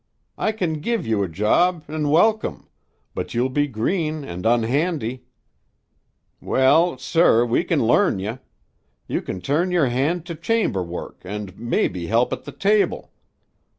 I can give you a job an' welcome, but you'll be green an' unhandy. Well, sir, we kin learn ye. You kin turn yer hand to chamber work an' mebbe help at the table.